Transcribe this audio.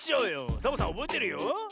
サボさんおぼえてるよ。